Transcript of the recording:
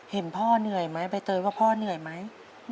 เห็นพ่อเหนื่อยไหมใบเตยว่าพ่อเหนื่อยไหม